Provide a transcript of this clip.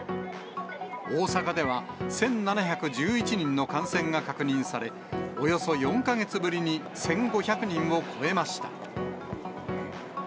大阪では、１７１１人の感染が確認され、およそ４か月ぶりに１５００人を超えました。